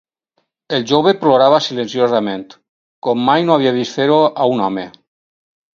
El jove plorava silenciosament, com mai no havia vist fer-ho a un home.